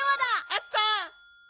あった！